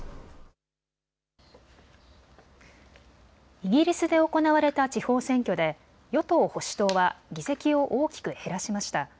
イギリスで行われた地方選挙で与党・保守党は議席を大きく減らしました。